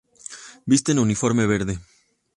visten uniforme verde